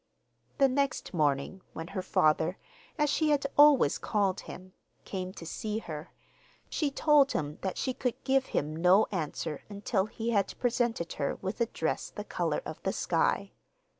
The next morning, when her father (as she had always called him) came to see her, she told him that she could give him no answer until he had presented her with a dress the colour of the sky.